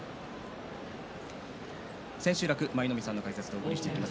千秋楽、舞の海さんの解説でお送りしていきます。